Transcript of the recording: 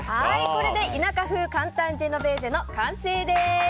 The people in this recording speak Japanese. これで田舎風簡単ジェノベーゼの完成です。